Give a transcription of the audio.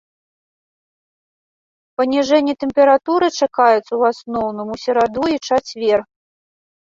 Паніжэнне тэмпературы чакаецца ў асноўным у сераду і чацвер.